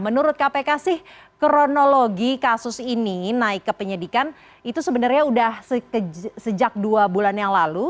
menurut kpk sih kronologi kasus ini naik ke penyidikan itu sebenarnya sudah sejak dua bulan yang lalu